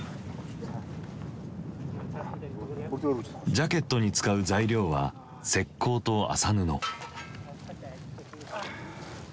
ジャケットに使う材料は石こうと麻布。